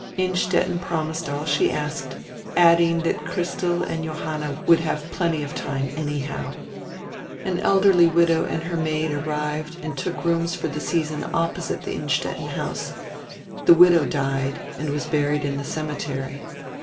Innstetten promised all she asked, adding that Christel and Johanna would have plenty of time, anyhow. [An elderly widow and her maid arrived and took rooms for die season opposite die Innstetten house. The widow died and was buried in die cemetery.